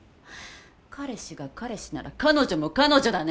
彼氏が彼氏なら彼女も彼女だね！